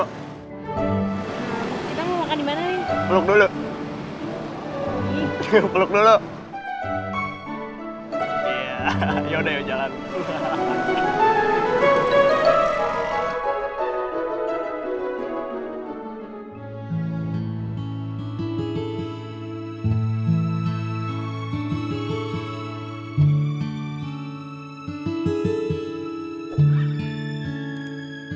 kita mau makan dimana nih